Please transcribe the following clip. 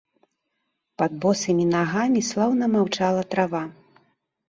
Пад босымі нагамі слаўна маўчала трава.